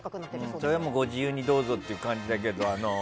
それはご自由にどうぞっていう感じだけど。